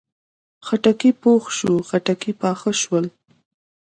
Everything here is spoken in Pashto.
خټکی پوخ شو، خټکي پاخه شول